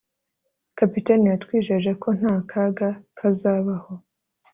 Kapiteni yatwijeje ko nta kaga kazabaho